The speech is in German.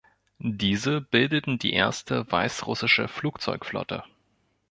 Diese bildeten die erste weißrussische Flugzeugflotte.